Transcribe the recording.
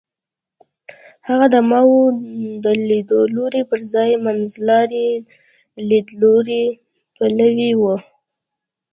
هغه د ماوو د لیدلوري پر ځای منځلاري لیدلوري پلوی و.